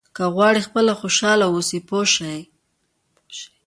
که غواړئ خپله خوشاله واوسئ پوه شوې!.